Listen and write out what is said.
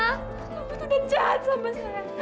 kamu tuh udah jahat sama saya